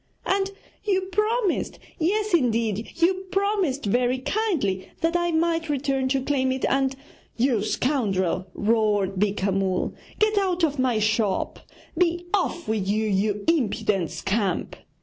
And you promised yes, indeed, you promised very kindly that I might return to claim it, and ' 'You scoundrel,' roared Beeka Mull, 'get out of my shop! Be off with you, you impudent scamp!